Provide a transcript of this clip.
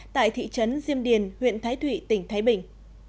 tại thị trấn diêm điền huyện thái thụy tỉnh thái bình